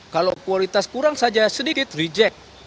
kalau kualitas kurang saja sedikit reject